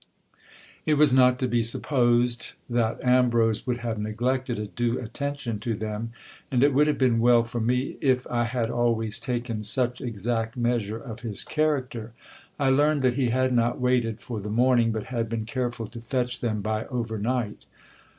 It was not to be supposed that Ambrose would have neglected a due attention to them ; and it would have been well for me if I had always taken such exact measure of his character. I learned that he had not waited for the morning, but had been careful to fetch them by over night.